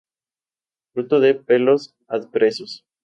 Fruto de pelos adpresos.